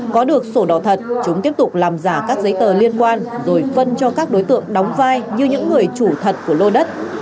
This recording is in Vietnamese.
có được sổ đỏ thật chúng tiếp tục làm giả các giấy tờ liên quan rồi phân cho các đối tượng đóng vai như những người chủ thật của lô đất